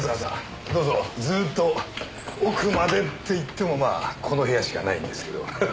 どうぞずーっと奥までって言ってもまあこの部屋しかないんですけど。